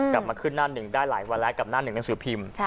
กลับมาขึ้นหน้าหนึ่งได้หลายวันแล้วกับหน้าหนึ่งหนังสือพิมพ์